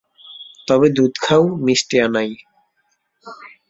তবে দুধ খাও, মিষ্টি আনাই।